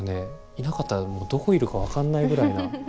いなかったらどこいるか分かんないぐらいな。